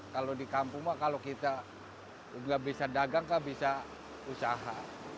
kalau di kampung mah kalau kita nggak bisa dagang kak bisa usaha